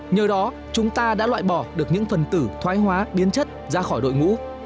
nhờ đó chúng ta đã loại bỏ được những phần tử thoái hóa biến chất ra khỏi đội ngũ